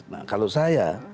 nah kalau saya